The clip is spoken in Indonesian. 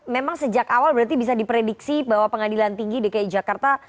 memang sejak awal berarti bisa diprediksi bahwa pengadilan tinggi dki jakarta